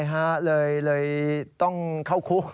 เลยต้องเข้าคุก